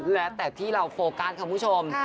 แล้วแต่ที่เราโฟกัสครับนี่พวกเราชอบ